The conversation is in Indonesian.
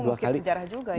jadi memukul sejarah juga ya